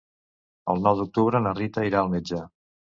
El nou d'octubre na Rita irà al metge.